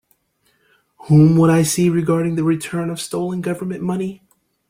Whom would I see regarding the return of stolen Government money?